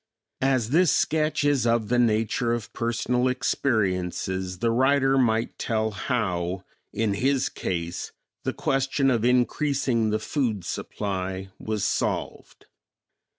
As this sketch is of the nature of personal experiences, the writer might tell how, in his case, the question of increasing the food supply was solved.